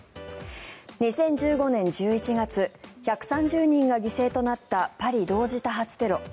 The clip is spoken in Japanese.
２０１５年１１月１３０人が犠牲となったパリ同時多発テロ。